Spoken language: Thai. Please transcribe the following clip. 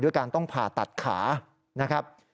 การต้องผ่าตัดขานะครับ